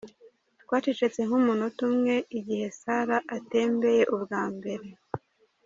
Twacecetse nk'umunota umwe igihe Salah atembeye ubwa mbere.